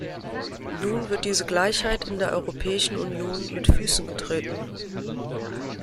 Nun wird diese Gleichheit in der Europäischen Union mit Füßen getreten.